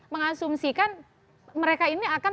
mengasumsikan mereka ini akan